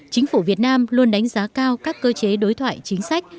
chính phủ việt nam luôn đánh giá cao các cơ chế đối thoại chính sách